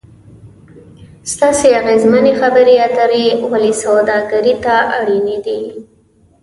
ستاسې اغیزمنې خبرې اترې ولې سوداګري ته اړینې دي ؟